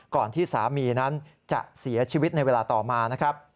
ก่อนที่สามีนั้นจะเสียชีวิตในเวลาต่อมานะครับ